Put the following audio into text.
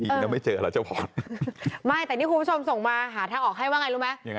ดีแล้วไม่เจออะไรเฉพาะไม่แต่นี่คุณผู้ชมส่งมาหาทางออกให้ว่าไงรู้ไหม